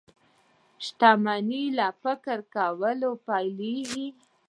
شتمني له فکر کولو پيلېږي.